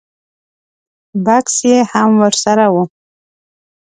بکس یې هم ور سره و.